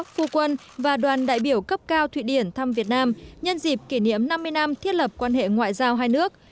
phu quân và đoàn đại biểu cấp cao thụy điển thăm việt nam nhân dịp kỷ niệm năm mươi năm thiết lập quan hệ ngoại giao hai nước